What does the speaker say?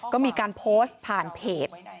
ก็มีการโพสต์ผ่านเพจ